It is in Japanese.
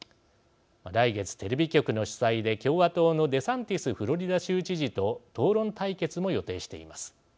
来月、テレビ局の主催で共和党のデサンティス・フロリダ州知事と討論対決も予定しています。